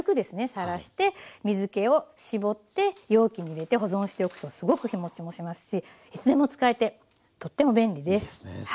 さらして水けを絞って容器に入れて保存しておくとすごく日もちもしますしいつでも使えてとっても便利です。